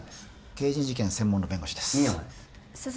刑事事件専門の弁護士です深山です